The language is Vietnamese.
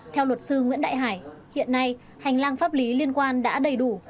theo luật sư nguyễn đại hải hiện nay hành lang pháp lý liên quan đã đầy đủ